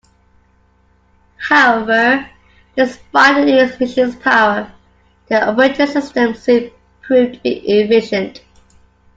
However, despite the new machines' power, their operating system soon proved to be inefficient.